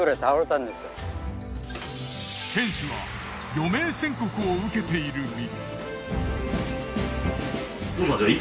店主は余命宣告を受けている身。